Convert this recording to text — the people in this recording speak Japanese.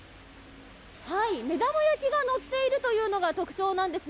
目玉焼きがのっているというのが特徴なんですね。